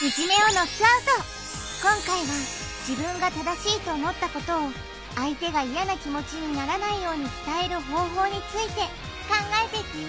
今回は自分が正しいと思ったことを相手が嫌な気持ちにならないように伝える方法について考えていくよ